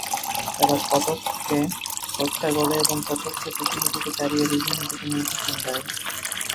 তারা কতককে হত্যা করে এবং কতককে পৃথিবী থেকে তাড়িয়ে বিভিন্ন দ্বীপে নির্বাসন দেয়।